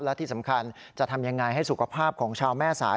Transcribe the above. และที่สำคัญจะทำยังไงให้สุขภาพของชาวแม่สาย